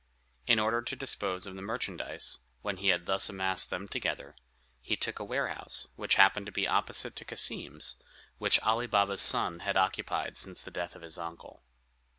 In order to dispose of the merchandise, when he had thus amassed them together, he took a warehouse, which happened to be opposite to Cassim's, which Ali Baba's son had occupied since the death of his uncle.